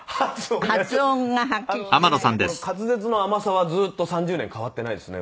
確かにこの滑舌の甘さはずっと３０年変わってないですね